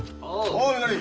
おうみのり！